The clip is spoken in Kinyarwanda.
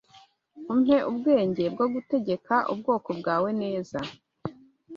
Umpe ubwenge bwo gutegeka ubwoko bwawe neza.’